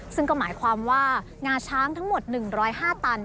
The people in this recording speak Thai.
ซึ่งก็หมายความว่างาช้างทั้งหมด๑๐๕ตัน